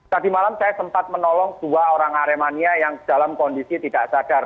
tadi malam saya sempat menolong dua orang aremania yang dalam kondisi tidak sadar